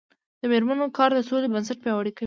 د میرمنو کار د سولې بنسټ پیاوړی کوي.